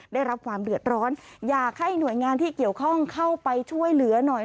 ได้รับความเดือดร้อนอยากให้หน่วยงานที่เกี่ยวข้องเข้าไปช่วยเหลือหน่อย